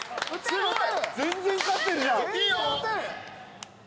すごい。